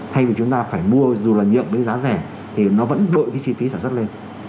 thay vì chúng ta phải mua dù là nhượng với giá rẻ thì nó vẫn đội cái chi phí sản xuất lên